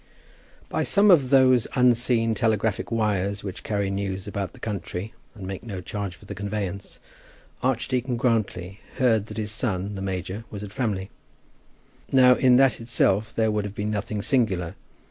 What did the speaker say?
By some of those unseen telegraphic wires which carry news about the country and make no charge for the conveyance, Archdeacon Grantly heard that his son the major was at Framley. Now in that itself there would have been nothing singular.